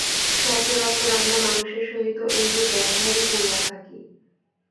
সচরাচর আমরা মানুষের সহিত এইরূপ ব্যবহারই করিয়া থাকি।